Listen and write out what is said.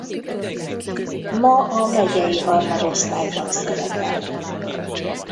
Ma a megyei harmadosztályban szerepel.